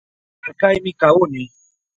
Yarkaymi kahuni